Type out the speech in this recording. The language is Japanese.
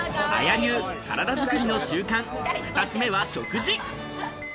流体作りの習慣、２つ目は食事。